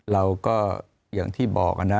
เราก็อย่างที่บอกนะ